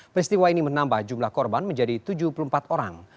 peristiwa ini menambah jumlah korban menjadi tujuh puluh empat orang